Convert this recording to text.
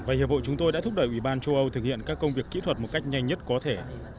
và hiệp hội chúng tôi đã thúc đẩy ủy ban châu âu thực hiện các công việc kỹ thuật một cách nhanh nhất có thể